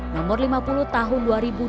nomor lima puluh tahun dua ribu dua puluh